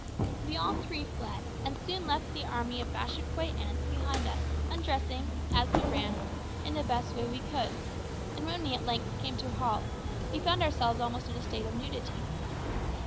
We all three fled, and soon left the army of Bashikouay ants behind us, undressing, as we ran, in the best way we could; and when we at length came to a halt we found ourselves almost in a state of nudity.